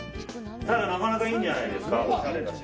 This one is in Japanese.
なかなかいいんじゃないですか。